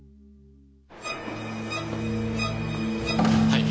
はい。